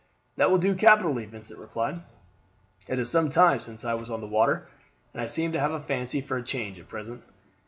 "That will do capitally," Vincent replied. "It is some time since I was on the water, and I seem to have a fancy for a change at present.